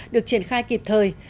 được triển khai kịp thời